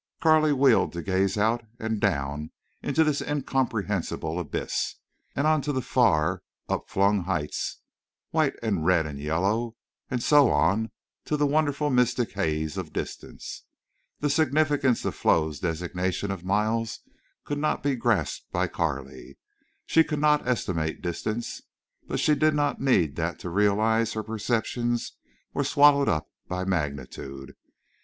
Carley wheeled to gaze out and down into this incomprehensible abyss, and on to the far up flung heights, white and red and yellow, and so on to the wonderful mystic haze of distance. The significance of Flo's designation of miles could not be grasped by Carley. She could not estimate distance. But she did not need that to realize her perceptions were swallowed up by magnitude.